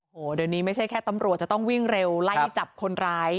โอ้โหเดี๋ยวนี้ไม่ใช่แค่ตำรวจจะต้องวิ่งเร็วไล่จับคนร้าย